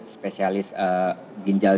spesialis ginjal itu